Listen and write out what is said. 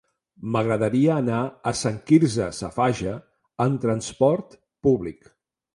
M'agradaria anar a Sant Quirze Safaja amb trasport públic.